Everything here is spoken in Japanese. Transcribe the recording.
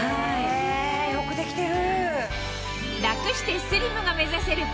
よくできてる。